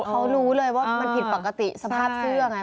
เขารู้เลยว่ามันผิดปกติสภาพเสื้อไง